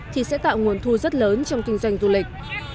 thì sẽ tạo nguồn thu rất lớn trong kinh doanh du lịch